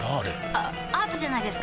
あアートじゃないですか？